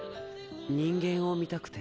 人間を観たくて。